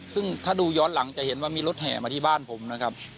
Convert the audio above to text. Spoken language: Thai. ซึ่งถ้าดูย้อนหลังจะเห็นว่ามีรถแห่มาที่บ้านผมนะครับ